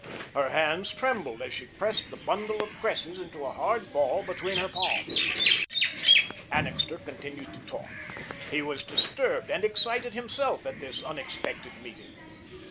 Her hands trembled as she pressed the bundle of cresses into a hard ball between her palms. Annixter continued to talk. He was disturbed and excited himself at this unexpected meeting.